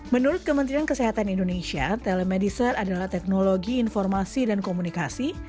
menurut kementerian kesehatan indonesia telemedicine adalah teknologi informasi dan komunikasi